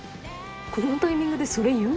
このタイミングでそれ言う？